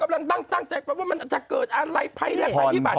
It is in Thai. กำลังตั้งแจกประวัติว่ามันอาจจะเกิดอะไรภัยหรือภัยบัตร